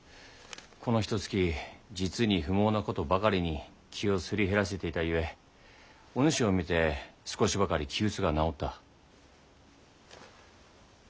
このひとつき実に不毛なことばかりに気をすり減らせていたゆえお主を見て少しばかり気鬱がなおった。